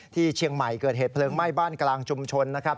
ที่เชียงใหม่เกิดเหตุเพลิงไหม้บ้านกลางชุมชนนะครับ